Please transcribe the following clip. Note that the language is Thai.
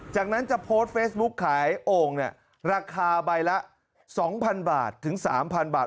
จากนั้นจะโพสต์เฟซบุ๊คขายโอ่งราคาใบละ๒๐๐๐บาทถึง๓๐๐บาท